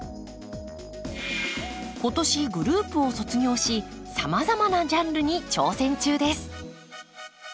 今年グループを卒業しさまざまなジャンルに挑戦中です。